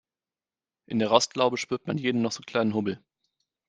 In der Rostlaube spürt man jeden noch so kleinen Hubbel.